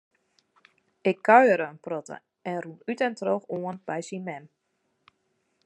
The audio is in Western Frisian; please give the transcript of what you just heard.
Ik kuiere in protte en rûn út en troch oan by syn mem.